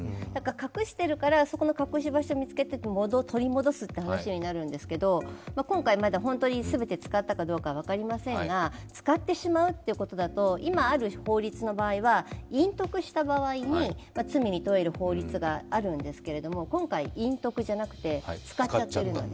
隠しているから、隠し場所を見つけて取り戻すという話になるんですけど今回まだ本当に全て使ったどうか分かりませんが、使ってしまうということだと今ある法律の場合は隠匿した場合に、罪に問える法律があるんですけれども、今回、隠匿じゃなくて使っちゃっている。